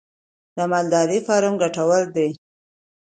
د مالدارۍ فارم ګټور دی؟